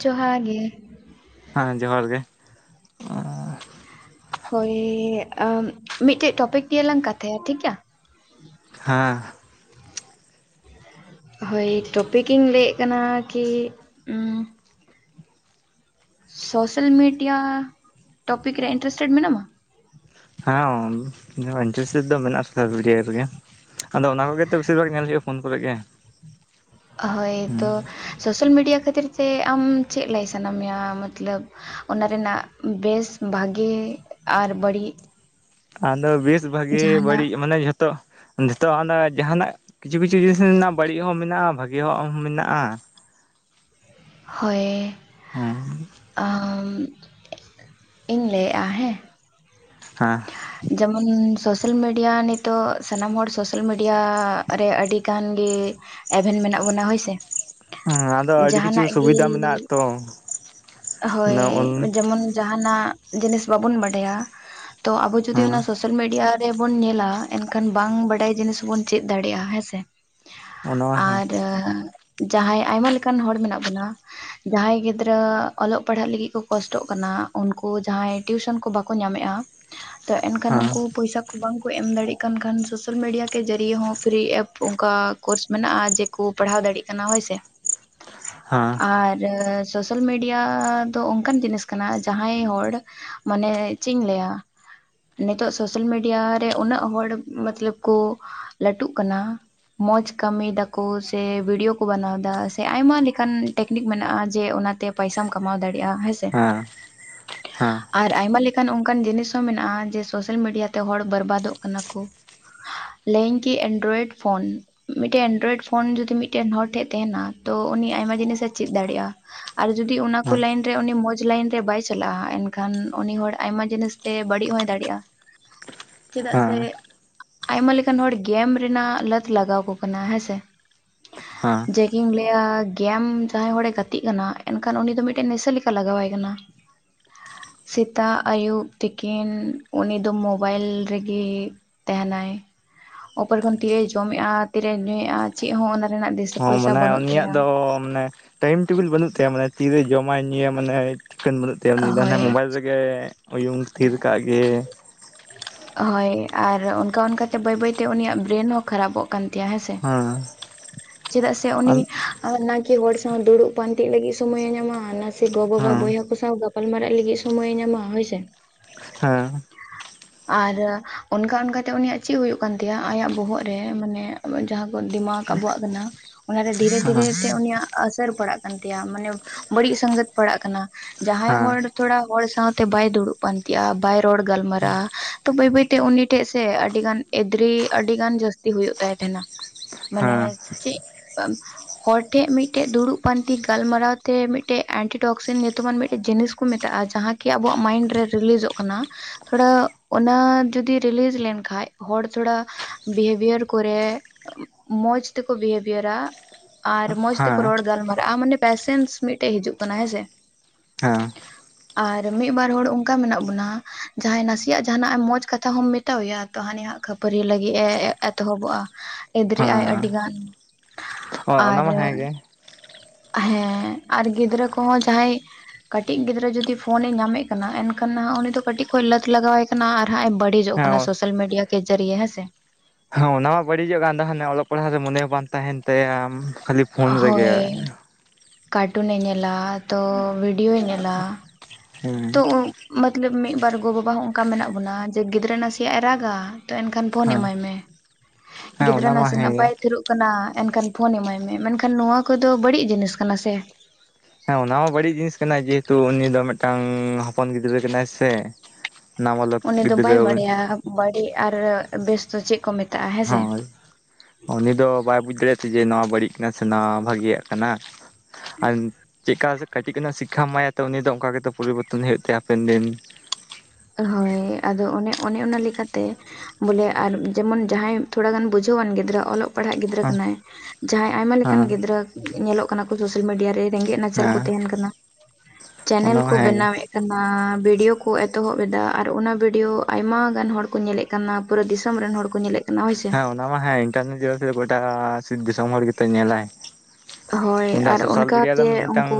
ᱡᱚᱦᱟᱨ ᱜᱮ᱾ ᱦᱟᱸ ᱡᱚᱦᱟᱨ ᱜᱮ᱾ ᱦᱳᱭ, ᱢᱤᱫᱽ ᱴᱮᱡ ᱴᱚᱯᱤᱠ ᱱᱤᱭᱮ ᱞᱟᱝ ᱠᱟᱛᱷᱟᱭᱟ ᱴᱷᱤᱠ ᱜᱮᱭᱟ᱾ ᱦᱟᱸ᱾ ᱦᱳᱭ ᱴᱚᱯᱤᱠ ᱤᱧ ᱞᱟᱹᱭᱮᱜ ᱠᱟᱱᱟ ᱠᱤ, ᱩᱸᱻ ᱥᱳᱥᱟᱞ ᱢᱮᱰᱤᱭᱟ ᱴᱚᱯᱤᱠ ᱨᱮ ᱤᱱᱴᱟᱨᱮᱥᱴᱮᱰ ᱢᱮᱱᱟᱢᱟ? ᱦᱮᱸ, ᱤᱱᱴᱟᱨᱮᱥᱴᱮᱰ ᱫᱚ ᱢᱮᱱᱟᱜᱼᱟ ᱥᱳᱥᱟᱞ ᱢᱮᱵᱤᱭᱟ ᱨᱮᱜᱮ᱾ ᱟᱫᱚ ᱚᱱᱟ ᱠᱚᱜᱮ ᱛᱚ ᱵᱮᱥᱤ ᱵᱷᱟᱜᱽ ᱧᱮᱞ ᱦᱳᱭᱳᱜᱼᱟ ᱯᱷᱳᱱ ᱠᱚᱨᱮ ᱜᱮ᱾ ᱦᱳᱭ ᱛᱚ, ᱥᱳᱥᱟᱞ ᱢᱤᱰᱤᱭᱟ ᱠᱷᱟᱹᱛᱤᱨ ᱛᱮ ᱟᱢ ᱪᱮᱫ ᱞᱟᱹᱭ ᱥᱟᱱᱟ ᱢᱮᱭᱟ ᱢᱚᱛᱞᱚᱵᱽ ᱚᱱᱟ ᱨᱮᱱᱟᱜ ᱵᱮᱥ ᱵᱷᱟᱜᱮ ᱟᱨ ᱵᱟᱹᱲᱤᱡ? ᱟᱫᱚ ᱵᱮᱥ ᱵᱷᱟᱜᱮ ᱡᱟᱦᱟᱱᱟᱜ ᱵᱟᱹᱲᱤᱡ ᱢᱟᱱᱮ ᱡᱷᱚᱛᱚ ᱡᱚᱛᱚ ᱚᱱᱟ ᱡᱟᱦᱟᱸᱱᱟᱜ ᱠᱤᱪᱷᱩ ᱠᱤᱪᱷᱩ ᱡᱤᱱᱤᱥ ᱨᱮᱱᱟᱜ ᱵᱟᱹᱲᱤᱡ ᱦᱚᱸ ᱢᱮᱱᱟᱜᱼᱟ ᱵᱷᱟᱜᱭᱟᱜ ᱦᱚᱸ ᱢᱮᱱᱟᱜᱼᱟ᱾ ᱦᱚᱭ᱾ ᱦᱩᱸ᱾ ᱟᱹᱻᱢ, ᱤᱧ ᱞᱟᱹᱭᱮᱜᱼᱟ ᱦᱮᱸ᱾ [inaudible] ᱡᱮᱢᱚᱱ ᱥᱳᱥᱟᱞ ᱢᱤᱰᱤᱭᱟ ᱱᱤᱛᱚᱜ ᱥᱟᱱᱟᱢ ᱦᱚᱲ ᱥᱳᱥᱟᱞ ᱢᱤᱰᱤᱭᱟ ᱨᱮ ᱟᱹᱰᱤᱜᱟᱱ ᱜᱮ ᱮᱵᱷᱮᱱ ᱢᱮᱱᱟᱜ ᱵᱚᱱᱟ ᱦᱳᱭ ᱥᱮ᱾ ᱦᱮᱸ ᱟᱫᱚ ᱟᱹᱰᱤ ᱠᱤᱪᱷᱩ ᱡᱟᱦᱟᱱᱟᱜ ᱜᱮ ᱥᱩᱵᱤᱫᱷᱟ ᱢᱮᱱᱟᱜᱼᱟ ᱛᱚ ᱦᱳᱭ ᱚᱱ ᱡᱮᱢᱚᱱ ᱡᱟᱦᱟᱱᱟᱜ ᱡᱤᱱᱤᱥ ᱵᱟᱵᱚᱱ ᱵᱟᱰᱟᱭᱟ ᱛᱚ ᱟᱵᱚ ᱡᱩᱫᱤ ᱦᱮᱸ ᱚᱱᱟ ᱥᱳᱥᱟᱞ ᱢᱤᱰᱤᱭᱟ ᱨᱮᱵᱚᱱ ᱧᱮᱞᱟ ᱮᱱᱠᱷᱟᱱ ᱵᱟᱝ ᱵᱟᱰᱟᱭ ᱡᱤᱱᱤᱥ ᱵᱚᱱ ᱪᱮᱫᱽ ᱫᱟᱲᱮᱭᱟᱜᱼᱟ ᱦᱮᱸ ᱥᱮ, ᱚᱱᱟ ᱦᱮᱸ ᱟᱨ ᱡᱟᱸᱦᱟᱸᱭ ᱟᱭᱢᱟ ᱞᱮᱠᱟᱱ ᱦᱚᱲ ᱢᱮᱱᱟᱜ ᱵᱚᱱᱟ᱾ ᱡᱟᱦᱟᱸᱭ ᱜᱤᱫᱽᱨᱟᱹ ᱚᱞᱚᱜ ᱯᱟᱲᱦᱟᱜ ᱞᱟᱹᱜᱤᱫ ᱠᱚ ᱠᱚᱥᱴᱚᱜ ᱠᱟᱱᱟ ᱩᱱᱠᱩ ᱡᱟᱦᱟᱸᱭ ᱴᱤᱭᱩᱥᱚᱱ ᱠᱚ ᱵᱟᱠᱚ ᱧᱟᱢᱮᱜᱼᱟ, ᱛᱚ ᱮᱱᱠᱷᱟᱱ ᱦᱮᱸ ᱩᱱᱠᱩ ᱯᱩᱭᱥᱟ ᱠᱚ ᱵᱟᱝᱠᱚ ᱮᱢ ᱫᱟᱲᱮᱭᱟᱜ ᱠᱟᱱ ᱠᱷᱟᱱ ᱥᱳᱥᱟᱞ ᱢᱤᱰᱤᱭᱟ ᱠᱮ ᱡᱟᱹᱨᱭᱮ ᱦᱚᱸ ᱯᱷᱤᱨᱤ ᱮᱯᱥ ᱚᱱᱠᱟ ᱠᱳᱨᱥ ᱢᱮᱱᱟᱜᱼᱟ ᱡᱮ ᱠᱩ ᱯᱟᱲᱦᱟᱣ ᱫᱟᱲᱮᱭᱟᱜ ᱠᱟᱱᱟ ᱦᱳᱭᱥᱮ, ᱦᱮᱸ ᱟᱨ ᱥᱳᱥᱟᱞ ᱢᱤᱰᱤᱭᱟ ᱫᱚ ᱚᱱᱠᱟᱱ ᱡᱤᱱᱤᱥ ᱠᱟᱱᱟ ᱡᱟᱦᱟᱸᱭ ᱦᱚᱲ ᱢᱟᱱᱮ ᱪᱮᱫᱽ ᱤᱧ ᱞᱟᱹᱭᱟ ᱱᱤᱛᱚᱜ ᱥᱳᱥᱟᱞ ᱢᱤᱰᱤᱭᱟ ᱨᱮ ᱩᱱᱟᱹᱜ ᱦᱚᱲ ᱢᱚᱛᱞᱚᱵ ᱠᱚ ᱞᱟᱹᱴᱩᱜ ᱠᱟᱱᱟ ᱢᱚᱡᱽ ᱠᱟᱹᱢᱤᱭ ᱫᱟᱠᱚ ᱥᱮ ᱵᱷᱤᱰᱭ ᱠᱚ ᱵᱮᱱᱟᱣ ᱫᱟ ᱥᱮ ᱟᱭᱢᱟ ᱞᱮᱠᱟᱱ ᱴᱮᱠᱱᱤᱠ ᱢᱮᱱᱟᱜ-ᱟ ᱡᱮ ᱚᱱᱟᱛᱮ ᱯᱚᱭᱥᱟᱢ ᱠᱟᱢᱟᱣ ᱫᱟᱲᱤᱟ ᱦᱮᱸᱥᱮ᱾ ᱦᱮᱸ ᱦᱮᱸ ᱟᱨ ᱟᱭᱢᱟ ᱞᱮᱠᱟᱱ ᱚᱝᱠᱟᱱ ᱡᱤᱱᱤᱥ ᱦᱚᱸ ᱢᱮᱱᱟ ᱟ ᱡᱮ ᱥᱳᱥᱟᱞ ᱢᱤᱰᱤᱭᱟ ᱛᱮ ᱦᱚᱲ ᱵᱚᱨᱵᱟᱫᱚᱜ ᱠᱟᱱᱟ ᱠᱚ᱾ ᱞᱟᱹᱤᱧ ᱠᱤ ᱮᱱᱰᱨᱚᱭᱮᱰ ᱯᱷᱳᱱ ᱢᱤᱫᱴᱮ ᱮᱱᱰᱨᱚᱭᱮᱰ ᱯᱷᱳᱱ ᱡᱚᱫᱤ ᱢᱤᱫᱴᱮᱱ ᱦᱚᱲ ᱴᱷᱮᱡ ᱛᱮᱦᱮᱱᱟ ᱛᱚ ᱩᱱᱤ ᱟᱭᱢᱟ ᱡᱤᱱᱤᱥᱮ ᱪᱤᱫ ᱫᱟᱲᱤᱟ᱾ ᱟᱨ ᱡᱩᱫᱤ ᱚᱱᱟᱠᱚ ᱞᱟᱭᱤᱱ ᱨᱮ ᱩᱱᱤ ᱢᱚᱸᱡᱽ ᱞᱟᱭᱤᱱ ᱨᱮ ᱵᱟᱭ ᱪᱟᱞᱟᱜᱟ ᱮᱱᱠᱷᱟᱱ ᱩᱱᱤ ᱦᱚᱲ ᱟᱭᱢᱟ ᱡᱤᱱᱤᱥ ᱥᱮ ᱵᱟᱹᱲᱤᱡ ᱦᱚᱭ ᱫᱟᱲᱤ-ᱟ᱾ ᱪᱮᱫᱟᱜ ᱥᱮ ᱦᱮᱸ ᱟᱭᱢᱟ ᱞᱮᱠᱟᱱ ᱦᱚᱲ ᱜᱮᱢ ᱨᱮᱱᱟᱜ ᱞᱟᱛ ᱞᱟᱜᱟᱣ ᱠᱚ ᱠᱟᱱᱟ ᱦᱮᱸᱥᱮ? ᱦᱮᱸ ᱡᱮ ᱠᱤᱧ ᱞᱟᱹᱭᱟ ᱜᱮᱢ ᱡᱟᱦᱟᱸᱭ ᱦᱚᱲᱮ ᱜᱟᱛᱤᱜ ᱠᱟᱱᱟ ᱮᱱᱠᱷᱟᱱ ᱩᱱᱤ ᱫᱚ ᱢᱤᱴᱮᱱ ᱱᱮᱥᱟᱹ ᱞᱮᱠᱟ ᱞᱟᱜᱟᱣᱟᱭ ᱠᱟᱱᱟ᱾ [unintelligible] ᱥᱮᱛᱟᱜ ᱟᱹᱭᱩᱵ ᱛᱤᱠᱤᱱ ᱩᱱᱤᱫᱚ ᱢᱚᱵᱟᱭᱤᱞ ᱨᱮᱜᱤ ᱛᱟᱦᱮᱱᱟᱭ᱾ ᱩᱯᱚᱨ ᱠᱷᱚᱱ ᱛᱤᱨᱮᱭ ᱡᱚᱢᱮ-ᱟ ᱛᱤᱨᱮᱭ ᱧᱩᱭᱮ-ᱟ ᱪᱤᱜ ᱦᱚᱸ ᱚᱱᱟ ᱨᱮᱱᱟᱜ ᱫᱤᱥᱟᱹ ᱯᱚᱭᱥᱟ ᱵᱟᱹᱱᱩᱜ ᱛᱟᱭᱟ᱾ ᱚ ᱢᱟᱱᱮ ᱴᱟᱹᱭᱤᱢ ᱴᱮᱵᱤᱞ ᱵᱟᱹᱱᱩᱜ ᱛᱟᱭᱟ ᱢᱟᱱᱮ ᱛᱤᱨᱮ ᱡᱚᱢᱟᱭ ᱧᱩᱭᱟ ᱢᱟᱱᱮ ᱴᱷᱤᱠᱟᱹᱱ ᱵᱟᱹᱱᱩᱜ ᱛᱭᱟ ᱩᱱᱤᱫᱚ ᱦᱟᱱᱮ ᱦᱳᱭ ᱢᱚᱵᱟᱭᱤᱞ ᱨᱮᱜᱮ ᱩᱭᱩᱝ ᱛᱷᱤᱨ ᱠᱟᱜ ᱜᱮ, ᱦᱳᱭ ᱟᱨ ᱚᱱᱠᱟ ᱚᱱᱠᱟᱛᱮ ᱵᱟᱹᱭ ᱵᱟᱹᱭᱛᱮ ᱩᱱᱤᱭᱟᱜ ᱵᱨᱮᱱ ᱦᱚᱸ ᱠᱷᱟᱨᱟᱯᱚᱜ ᱠᱟᱱ ᱛᱟᱭᱟ ᱦᱮᱸᱥᱮ? ᱦᱮᱸ ᱪᱮᱫᱟᱜ ᱥᱮ ᱩᱱᱤ ᱟᱢ ᱟᱨ ᱱᱟ ᱠᱤ ᱦᱚᱲ ᱥᱟᱶ ᱫᱩᱲᱩᱵ ᱯᱟᱱᱛᱮᱜ ᱞᱟᱹᱜᱤᱫ ᱥᱳᱢᱚᱭᱮ ᱧᱟᱢᱟ ᱥᱮ ᱜᱚ ᱵᱟᱵᱟ ᱦᱮᱸ ᱦᱮᱸ ᱵᱚᱭᱦᱟ ᱠᱚ ᱥᱟᱶ ᱜᱟᱞ ᱢᱟᱨᱟᱜ ᱞᱟᱹᱜᱤᱫ ᱥᱚᱢᱚᱭᱮ ᱧᱟᱢᱟ ᱦᱳᱭ ᱥᱮ᱾ [unintelligible] ᱟᱨ ᱚᱱᱠᱟ ᱚᱱᱠᱟᱛᱮ ᱩᱱᱤᱭᱟᱜ ᱪᱤ ᱦᱩᱭᱩᱜ ᱠᱟᱱ ᱛᱟᱭᱟ ᱟᱭᱟᱜ ᱵᱚᱦᱚᱜ ᱨᱮ ᱢᱟᱱᱮ ᱡᱟᱦᱟᱸ ᱠᱚ ᱫᱤᱢᱟᱜᱽ ᱟᱵᱚᱣᱟᱜ ᱠᱟᱱᱟ ᱚᱱᱟᱨᱮ ᱫᱷᱤᱨᱮ ᱦᱮᱸ ᱫᱷᱤᱨᱮ ᱛᱮ ᱩᱱᱤᱭᱟᱜ ᱟᱥᱟᱹᱨ ᱯᱟᱲᱟᱜ ᱠᱟᱱ ᱛᱟᱭᱟ ᱢᱟᱱᱮ ᱵᱟᱹᱲᱤᱡ ᱥᱟᱝᱜᱟᱛ ᱯᱟᱲᱟᱜ ᱠᱟᱱᱟ᱾ ᱡᱟᱦᱟᱸᱭ ᱦᱚᱲ ᱛᱷᱚᱲᱟ ᱦᱚᱲ ᱥᱟᱶᱛᱮ ᱵᱟᱭ ᱫᱩᱲᱩᱵ ᱯᱟᱱᱛᱤ ᱟ ᱵᱟᱭ ᱨᱚᱲ ᱜᱟᱞᱢᱟᱨᱟ ᱟ ᱛᱚ ᱵᱟᱹᱭ ᱵᱟᱹᱭᱛᱮ ᱩᱱᱤ ᱴᱷᱮᱡ ᱥᱮ ᱟᱹᱰᱤ ᱜᱟᱱ ᱮᱫᱽᱨᱤ ᱟᱹᱰᱤ ᱜᱟᱱ ᱡᱟᱹᱥᱛᱤ ᱦᱳᱭᱳᱜ ᱛᱟᱭ ᱛᱟᱦᱮᱸᱱᱟ᱾ ᱢᱟᱱᱮ ᱦᱮᱸ ᱪᱮᱫ ᱦᱚᱲ ᱴᱷᱮ ᱢᱤᱫ ᱴᱮᱡ ᱫᱩᱲᱩᱵ ᱯᱟᱱᱛᱤ ᱜᱟᱞᱢᱟᱨᱟᱣ ᱛᱮ ᱢᱤᱜᱴᱮᱡ ᱮᱱᱴᱤᱴᱚᱠᱥᱮᱱ ᱧᱩᱛᱩᱢᱟᱱ ᱢᱤᱫ ᱡᱤᱱᱤᱥ ᱠᱩ ᱢᱮᱛᱟᱜ-ᱟ ᱡᱟᱦᱟᱸ ᱠᱤ ᱟᱵᱚᱣᱟᱜ ᱢᱟᱭᱤᱱᱰ ᱨᱮ ᱨᱤᱞᱤᱡᱚᱜ ᱠᱟᱱᱟ ᱛᱷᱚᱲᱟ ᱚᱱᱟ ᱡᱩᱫᱤ ᱨᱤᱞᱤᱡᱽ ᱞᱮᱱᱠᱷᱟᱡ ᱦᱚᱲ ᱛᱷᱚᱲᱟ ᱵᱤᱦᱮᱵᱷᱤᱭᱟᱨ ᱠᱚᱨᱮᱜ ᱢᱚᱸᱡᱽ ᱛᱮᱠᱚ ᱵᱤᱦᱮᱵᱤᱦᱟᱨᱟ᱾ ᱟᱨ ᱢᱚᱸᱡᱽ ᱦᱮᱸ ᱛᱮᱠᱚ ᱨᱚᱲ ᱜᱟᱞ ᱢᱟᱨᱟᱜᱟ-ᱟ ᱢᱟᱱᱮ ᱯᱮᱥᱮᱱᱥ ᱢᱤᱴᱮᱡ ᱦᱤᱡᱩᱜ ᱠᱟᱱᱟ ᱦᱮᱸᱥᱮ, [unintelligible] ᱟᱨ ᱢᱤᱜ ᱵᱟᱨ ᱦᱚᱲ ᱚᱝᱠᱟ ᱢᱮᱱᱟᱜ ᱵᱚᱱᱟ ᱡᱟᱦᱟᱸᱭ ᱱᱟᱥᱮᱭᱟᱜ ᱡᱟᱦᱟᱱᱟᱜ ᱟᱢ ᱢᱚᱸᱡᱽ ᱠᱟᱛᱷᱟ ᱦᱚᱸᱢ ᱛᱟᱣᱭᱟ ᱛᱚ ᱦᱟᱱᱤ ᱦᱟᱜ ᱠᱷᱟᱹᱯᱟᱹᱨᱤ ᱞᱟᱹᱜᱤᱫ ᱮ ᱮᱛᱚᱦᱚᱵᱚᱜ-ᱟ ᱮᱫᱽᱨᱮ ᱟᱭ ᱦᱮᱸ ᱟᱹᱰᱤ ᱜᱟᱱ᱾ ᱚ ᱚᱱᱟ ᱟᱨ ᱢᱟ ᱦᱮᱸᱜᱮ, ᱦᱮᱸ ᱟᱨ ᱜᱤᱫᱽᱨᱟᱹ ᱠᱚᱦᱚᱸ ᱡᱟᱦᱟᱸᱭ ᱠᱟᱹᱴᱤᱡ ᱜᱤᱫᱽᱨᱟᱹ ᱡᱩᱫᱤ ᱯᱷᱳᱱᱮ ᱧᱟᱢᱮᱜ ᱠᱟᱱᱟ᱾ ᱮᱱᱠᱷᱟᱱ ᱩᱱᱤ ᱫᱚ ᱠᱟᱹᱴᱤᱡ ᱠᱷᱚᱡ ᱞᱟᱹᱛ ᱞᱟᱜᱟᱣᱟᱭ ᱠᱟᱱᱟ ᱟᱨ ᱦᱟᱸᱜ ᱮ ᱵᱟᱹᱲᱤᱡᱚᱜ ᱠᱟᱱᱟ᱾ ᱦᱮᱸ ᱥᱳᱥᱟᱞ ᱢᱤᱰᱤᱭᱟ ᱠᱮ ᱡᱟᱹᱨᱤᱭᱮ ᱦᱮᱸ ᱥᱮ᱾ ᱦᱚᱸ ᱚᱱᱟ ᱢᱟ ᱵᱟᱹᱲᱤᱡᱚᱜ ᱠᱟᱱ ᱛᱟᱦᱮᱱᱮ ᱚᱞᱚᱜ ᱯᱟᱲᱦᱟᱜ ᱨᱮ ᱢᱚᱱᱮ ᱦᱚᱸ ᱵᱟᱝ ᱛᱟᱦᱮᱱ ᱛᱟᱭᱟ ᱠᱷᱟᱹᱞᱤ ᱯᱷᱳᱱ ᱨᱮᱜᱮ ᱦᱳᱭ ᱠᱟᱴᱩᱱᱮ ᱧᱮᱞᱟ ᱛᱚ ᱵᱷᱤᱰᱤᱭᱳᱭ ᱧᱮᱞᱟ᱾ ᱦᱩᱸ ᱢᱚᱛᱞᱚᱵᱽ ᱢᱤᱜ ᱵᱟᱨ ᱜᱚ ᱵᱟᱵᱟ ᱦᱚᱸᱚᱝᱠᱟ ᱢᱮᱱᱟᱜ ᱵᱚᱱᱟ ᱡᱮ ᱜᱤᱫᱽᱨᱟᱹ ᱱᱟᱥᱮᱭᱟᱜ ᱮ ᱨᱟᱜᱟ᱾ ᱛᱚ ᱮᱱᱠᱷᱟᱱ ᱯᱷᱳᱱ ᱦᱮᱸ ᱮᱢᱟᱭ ᱢᱮ᱾ ᱦᱮᱸ ᱜᱤᱫᱽᱨᱟᱹ ᱚᱱᱟ ᱢᱟ ᱱᱟᱥᱮᱱᱟᱜ ᱦᱮᱸᱜᱮ ᱵᱟᱭ ᱛᱷᱤᱨᱚᱜ ᱠᱟᱱᱟ᱾ ᱮᱱᱠᱷᱟᱱ ᱯᱷᱳᱱ ᱮᱢᱟᱭ ᱢᱮ᱾ ᱢᱮᱱᱠᱷᱟᱱ ᱱᱚᱣᱟ ᱠᱚᱫᱚ ᱵᱟᱹᱲᱤᱡ ᱡᱤᱱᱤᱥ ᱠᱟᱱᱟ ᱥᱮ᱾ ᱦᱮᱸ ᱚᱱᱟ ᱢᱟ ᱵᱟᱹᱲᱤᱡ ᱡᱤᱱᱤᱥ ᱠᱟᱱᱟᱭ᱾ ᱡᱮᱦᱮᱛᱩ ᱩᱱᱤ ᱫᱚ ᱢᱤᱫᱴᱟᱝ ᱦᱚᱯᱚᱱ ᱜᱤᱫᱽᱨᱟᱹ ᱠᱟᱱᱟᱭ ᱥᱮ᱾ ᱱᱟᱵᱟᱞᱚᱠ ᱩᱱᱤ ᱫᱚ ᱵᱟᱭ [unintelligible] ᱵᱟᱲᱟᱭᱟ ᱵᱟᱹᱲᱤᱡ ᱟᱨ ᱵᱮᱥ ᱫᱚ ᱪᱮᱫ ᱠᱚ ᱢᱮᱛ ᱦᱳᱭ ᱩᱱᱤ ᱫᱚ ᱵᱟᱭ ᱵᱩᱡᱽ ᱫᱟᱲᱮᱭᱟᱜ ᱛᱮ ᱡᱮ ᱱᱚᱣᱟ ᱵᱟᱹᱲᱤᱡ ᱠᱟᱱᱟ ᱥᱮ ᱱᱚᱣᱟ ᱵᱷᱟᱜᱤᱭᱟᱜ ᱠᱟᱱᱟ᱾ ᱟᱨ ᱪᱮᱜᱠᱟ ᱠᱟᱹᱴᱤᱡ ᱠᱷᱚᱱᱟᱜ ᱥᱤᱠᱷᱟᱢ ᱮᱢᱟᱭᱟ᱾ ᱛᱚ ᱩᱱᱤ ᱫᱚ ᱚᱱᱠᱟ ᱜᱮᱛᱚ ᱯᱚᱨᱤᱵᱚᱨᱛᱚᱱ ᱦᱩᱭᱩᱜ ᱛᱟᱭᱟ ᱦᱟᱯᱮᱱ ᱫᱤᱱ᱾ ᱦᱳᱭ ᱟᱫᱚ ᱚᱱᱮ ᱚᱱᱮ ᱚᱱᱟ ᱞᱮᱠᱟᱛᱮ ᱵᱚᱞᱮ ᱟᱨ ᱡᱮᱢᱚᱱ ᱡᱟᱦᱟᱸᱭ ᱛᱷᱚᱲᱟ ᱜᱟᱱ ᱵᱩᱡᱷᱟᱹᱣᱟᱱ ᱜᱤᱫᱽᱨᱟᱹ ᱚᱞᱚᱜ ᱯᱟᱲᱦᱟᱜ ᱜᱤᱫᱽᱨᱟᱹ ᱠᱟᱱᱟᱭ ᱡᱟᱦᱟᱸᱭ ᱟᱭᱢᱟ ᱞᱮᱠᱟᱱ ᱦᱮᱸ ᱜᱤᱫᱽᱨᱟᱹ ᱧᱮᱞᱚᱜ ᱠᱟᱱᱟ ᱠᱚ ᱥᱳᱥᱟᱞ ᱢᱤᱰᱤᱭᱟ ᱨᱮ ᱨᱮᱸᱜᱮᱜ ᱱᱟᱪᱟᱨ ᱠᱚ ᱦᱮᱸ ᱛᱟᱦᱮᱱ ᱠᱟᱱᱟ᱾ ᱪᱮᱱᱮᱞ ᱚᱱᱟ ᱢᱟ ᱠᱚ ᱦᱮᱸ ᱜᱮ ᱵᱮᱱᱟᱣᱮᱜ ᱠᱟᱱᱟ ᱵᱤᱰᱤᱭᱳ ᱠᱚ ᱮᱛᱚᱦᱚᱵ ᱮᱫᱟ ᱟᱨ ᱚᱱᱟ ᱵᱷᱤᱰᱭᱳ ᱟᱭᱢᱟ ᱜᱟᱱ ᱦᱚᱲ ᱠᱚ ᱧᱮᱞᱮᱜ ᱠᱟᱱᱟ᱾ ᱯᱩᱨᱟᱹ ᱫᱤᱥᱚᱢ ᱨᱮᱱ ᱦᱚᱲ ᱠᱚ ᱧᱮᱞᱮᱜ ᱠᱟᱱᱟ ᱦᱳᱭ ᱥᱮ ᱦᱮᱸ ᱚᱱᱟ ᱦᱚ ᱦᱮᱸ ᱤᱱᱴᱟᱨᱱᱮᱴ [unintelligible] ᱜᱚᱴᱟ ᱫᱤᱥᱚᱢ ᱦᱚᱲ ᱜᱮᱛᱚᱭ ᱧᱮᱞᱟᱭ᱾ ᱦᱳᱭ ᱟᱨ ᱥᱳᱥᱟᱞ ᱢᱤᱰᱤᱭᱟ ᱫᱚ ᱚᱱᱠᱟᱛᱮ ᱢᱤᱫᱴᱟᱱ ᱩᱱᱠᱩ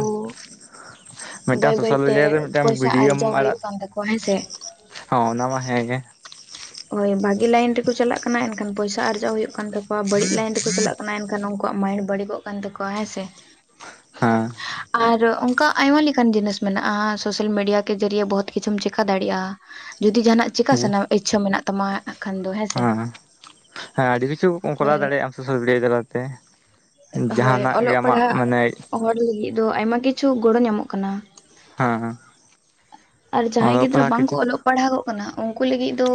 ᱢᱤᱫᱴᱟᱝ ᱵᱟᱹᱭ ᱥᱳᱥᱟᱞ ᱵᱟᱹᱭᱛᱮ ᱢᱤᱰᱤᱭᱟ ᱨᱮ ᱢᱤᱫᱴᱟᱝ ᱯᱚᱭᱥᱟ ᱵᱷᱤᱰᱭᱳᱢ ᱟᱨᱡᱟᱣ ᱦᱩᱭᱩᱜ ᱟᱲᱟᱜ ᱠᱟᱱ ᱛᱟᱠᱚᱣᱟ ᱦᱮᱸᱥᱮ ᱦᱚᱸ ᱚᱱᱟᱢᱟ ᱦᱮᱸᱜᱮ ᱦᱳᱭ ᱵᱷᱟᱹᱜᱤ ᱞᱟᱭᱤᱱ ᱨᱮᱠᱚ ᱪᱟᱞᱟᱜ ᱠᱟᱱᱟ᱾ ᱮᱱᱠᱷᱟᱱ ᱯᱚᱭᱥᱟ ᱟᱨᱡᱟᱣ ᱦᱩᱭᱩᱜ ᱠᱟᱱ ᱛᱟᱠᱚᱣᱟ᱾ ᱵᱟᱹᱲᱤᱡ ᱞᱟᱭᱤᱱ ᱨᱮᱠᱚ ᱪᱟᱞᱟᱜ ᱚᱱᱟ ᱮᱱᱠᱷᱟᱱ ᱩᱱᱠᱩᱣᱟᱜ ᱢᱟᱭᱤᱱᱰ ᱵᱟᱹᱲᱤᱜᱚᱜ ᱠᱟᱱ ᱛᱟᱠᱚᱣᱟ ᱦᱮᱸ ᱥᱮ᱾ ᱦᱮᱸ ᱟᱨ ᱚᱱᱠᱟ ᱟᱭᱢᱟ ᱞᱮᱠᱟᱱ ᱡᱤᱱᱤᱥ ᱢᱮᱱᱟᱜᱼᱟ᱾ ᱥᱳᱥᱟᱞ ᱢᱤᱰᱤᱭᱟ ᱠᱮ ᱡᱟᱹᱨᱤᱭᱮ ᱵᱚᱦᱩᱛ ᱠᱤᱪᱷᱩᱢ ᱪᱮᱠᱟ ᱫᱟᱲᱮᱜᱼᱟ᱾ ᱡᱩᱫᱤ ᱡᱟᱦᱟᱸᱱᱟᱜ ᱪᱤᱠᱟ ᱥᱟᱱᱟ ᱤᱪᱪᱷᱟᱹ ᱢᱮᱱᱟᱜ ᱛᱟᱢᱟ ᱠᱷᱟᱱ ᱫᱚ ᱦᱮᱸᱥᱮ᱾ ᱦᱮᱸ ᱦᱮᱸ ᱟᱹᱰᱤ ᱠᱤᱪᱷᱩᱢ ᱠᱚᱨᱟᱣ ᱫᱟᱲᱮᱭᱟᱜᱼᱟ᱾ ᱟᱢ ᱥᱳᱥᱟᱞ ᱢᱤᱰᱤᱭᱟ ᱪᱟᱞᱟᱛᱮ ᱦᱳᱭ ᱡᱟᱦᱟᱸᱱᱟᱜ ᱜᱮ ᱚᱞᱚᱜ ᱟᱢᱟᱜ ᱯᱟᱲᱦᱟᱜ ᱢᱟᱱᱮ ᱦᱚᱲ ᱞᱟᱹᱜᱤᱫ ᱫᱚ ᱟᱭᱢᱟ ᱠᱤᱪᱷᱩ ᱜᱚᱲᱚ ᱧᱟᱢᱚᱜ ᱠᱟᱱᱟ᱾ ᱦᱮᱸ ᱟᱨ ᱡᱟᱦᱟᱸᱭ ᱚᱞᱚᱜ ᱜᱤᱫᱽᱨᱟᱹ ᱯᱟᱲᱦᱟᱜ ᱵᱟᱝᱠᱚ ᱠᱤᱪᱷᱩ ᱚᱞᱚᱜ ᱯᱟᱲᱦᱟᱜᱚᱜ ᱠᱟᱱᱟ ᱩᱱᱠᱩ ᱞᱟᱹᱜᱤᱜ ᱫᱚ